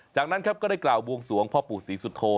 จากนั้นครับก็ได้กล่าวบวงสวงพ่อปู่ศรีสุโธ